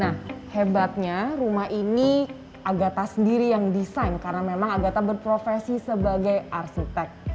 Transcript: nah hebatnya rumah ini agatha sendiri yang desain karna memang agathaqué left make denture to check